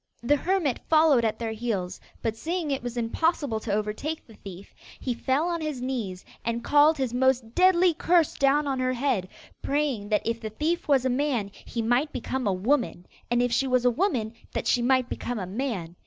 The hermit followed at their heels, but seeing it was impossible to overtake the thief, he fell on his knees and called his most deadly curse down on her head, praying that if the thief was a man, he might become a woman; and if she was a woman, that she might become a man.